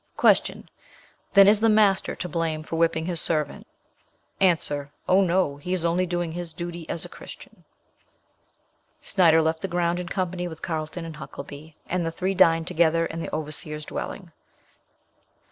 "Q. Then is the master to blame for whipping his servant? A. 'Oh, no! he is only doing his duty as a Christian.'" Snyder left the ground in company with Carlton and Huckelby, and the three dined together in the overseer's dwelling.